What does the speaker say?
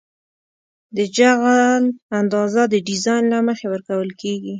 د جغل اندازه د ډیزاین له مخې ورکول کیږي